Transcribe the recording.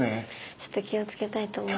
ちょっと気をつけたいと思います。